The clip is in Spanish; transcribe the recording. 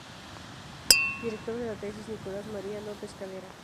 Director de la tesis: Nicolás María López Calera.